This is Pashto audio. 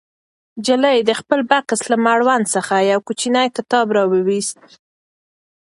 نجلۍ د خپل بکس له مړوند څخه یو کوچنی کتاب راوویست.